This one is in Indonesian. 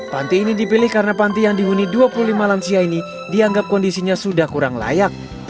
panti ini dipilih karena panti yang dihuni dua puluh lima lansia ini dianggap kondisinya sudah kurang layak